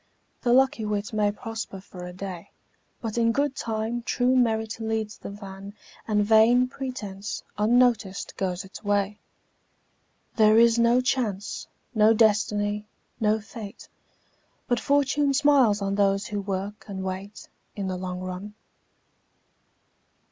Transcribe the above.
The lucky wight may prosper for a day, But in good time true merit leads the van And vain pretence, unnoticed, goes its way. There is no Chance, no Destiny, no Fate, But Fortune smiles on those who work and wait, In the long run.